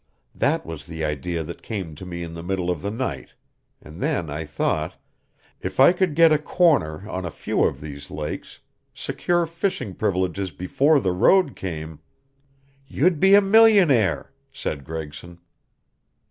That was the idea that came to me in the middle of the night, and then I thought if I could get a corner on a few of these lakes, secure fishing privileges before the road came " "You'd be a millionaire," said Gregson.